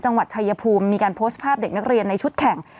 จังหวัดชายภูมิมีการโพสต์ภาพเด็กนักเรียนในชุดแข่ง